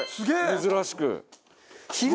珍しく。